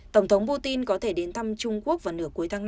tổng thống putin có thể đến thăm trung quốc vào nửa cuối tháng năm